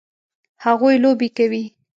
هغوی لوبې کوي